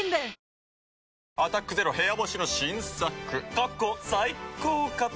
過去最高かと。